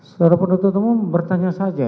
saudara penduduk temu bertanya saja